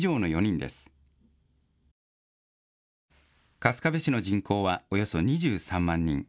春日部市の人口はおよそ２３万人。